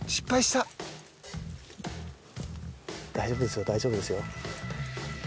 大丈夫ですよ大丈夫ですよ。